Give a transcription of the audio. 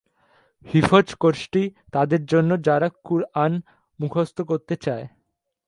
হিফজ কোর্সটি তাদের জন্য যারা কুরআন মুখস্থ করতে চায়।